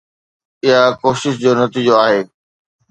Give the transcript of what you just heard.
اها ڪوشش جو نتيجو آهي.